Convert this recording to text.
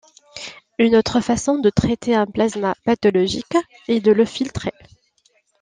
Une autre façon de traiter un plasma pathologique est de le filtrer.